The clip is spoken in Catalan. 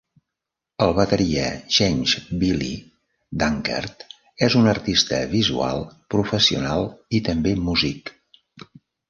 El bateria James "Billy" Dankert és un artista visual professional i també músic.